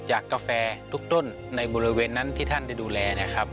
กาแฟทุกต้นในบริเวณนั้นที่ท่านได้ดูแลนะครับ